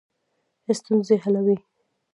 ستونزې حلوي.